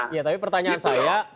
ya tapi pertanyaan saya